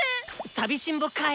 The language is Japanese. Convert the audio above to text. さびしんぼかい。